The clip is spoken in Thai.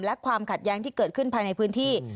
และความขัดแย้งที่เกิดขึ้นภายในพื้นที่